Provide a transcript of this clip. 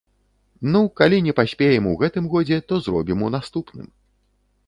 Ну, калі не паспеем у гэтым годзе, то зробім у наступным.